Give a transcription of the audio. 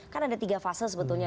kan ada tiga fase sebetulnya